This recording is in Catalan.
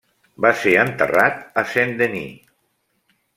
Va ser enterrat a Saint-Denis.